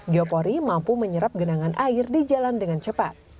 geopori mampu menyerap genangan air di jalan dengan cepat